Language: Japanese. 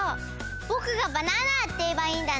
ぼくがｂａｎａｎａっていえばいいんだね。